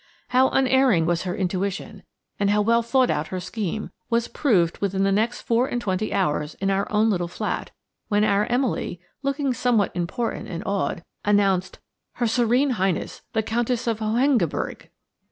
How unerring was her intuition, and how well thought out her scheme, was proved within the next four and twenty hours in our own little flat, when our Emily, looking somewhat important and awed, announced Her Serene Highness the Countess of Hohengebirg.